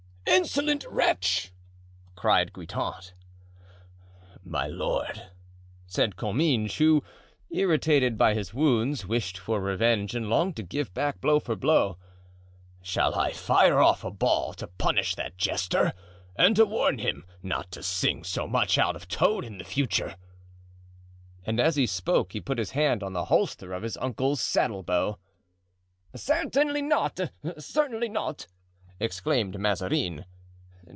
"Insolent wretch!" cried Guitant. "My lord," said Comminges, who, irritated by his wounds, wished for revenge and longed to give back blow for blow, "shall I fire off a ball to punish that jester, and to warn him not to sing so much out of tune in the future?" And as he spoke he put his hand on the holster of his uncle's saddle bow. "Certainly not! certainly not," exclaimed Mazarin.